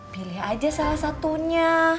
pilih aja salah satunya